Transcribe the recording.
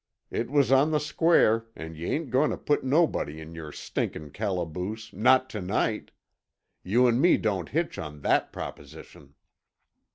It was on the square, and yuh ain't goin' to put nobody in your stinkin' calaboose—not to night. You and me don't hitch on that proposition."